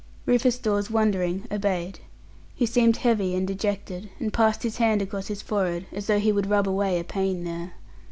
Rufus Dawes, wondering, obeyed. He seemed heavy and dejected, and passed his hand across his forehead, as though he would rub away a pain there.